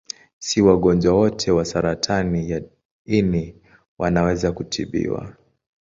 Si wagonjwa wote wa saratani ya ini wanaweza kutibiwa.